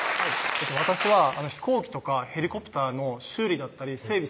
私は飛行機とかヘリコプターの修理だったり整備